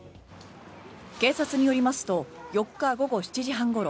警察によりますと４日午後７時半ごろ